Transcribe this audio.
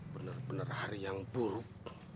bener bener hari yang buruk